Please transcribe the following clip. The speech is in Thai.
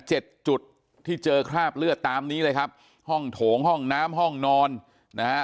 จุดที่เจอคราบเลือดตามนี้เลยครับห้องโถงห้องน้ำห้องนอนนะฮะ